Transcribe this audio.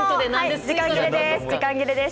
時間切れです。